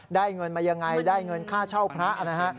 ได้เงินมายังไงได้เงินค่าเช่าพระนะฮะ